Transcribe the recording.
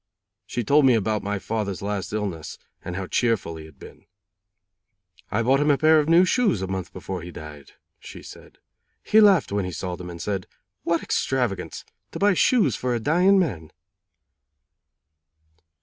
She told me about my father's last illness, and how cheerful he had been. "I bought him a pair of new shoes a month before he died," she said. "He laughed when he saw them and said: 'What extravagance! To buy shoes for a dying man!'"